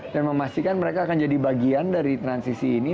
dan memastikan mereka akan jadi bagian dari transisi ini